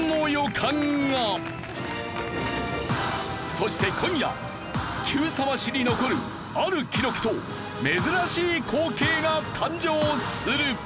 そして今夜『Ｑさま！！』史に残るある記録と珍しい光景が誕生する！